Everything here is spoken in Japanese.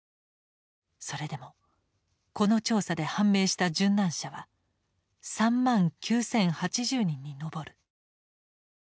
それでもこの調査で判明した殉難者は３９，０８０人に上る。